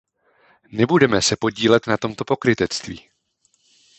Nebudeme se podílet na tomto pokrytectví.